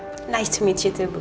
senang bertemu denganmu juga bu